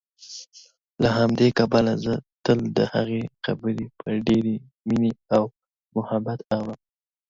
له همدې کبله زه تل دهغې خبرې په ډېرې مينې او محبت اورم